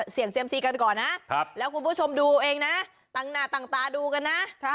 เซียมซีกันก่อนนะแล้วคุณผู้ชมดูเองนะต่างหน้าต่างตาดูกันนะ